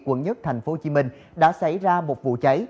quận một thành phố hồ chí minh đã xảy ra một vụ cháy